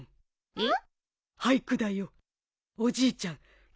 えっ？